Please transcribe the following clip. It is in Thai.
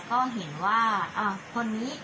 ก็เห็นว่าคนนี้